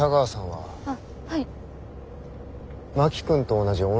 はい。